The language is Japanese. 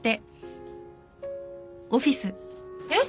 えっ！？